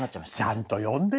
ちゃんと呼んでよ。